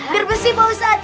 biar besi pak ustadz